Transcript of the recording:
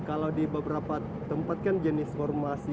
kalau di beberapa tempat kan jenis formasi